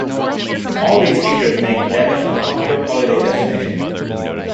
All these features make Devon a popular holiday destination.